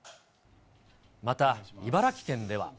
また、茨城県では。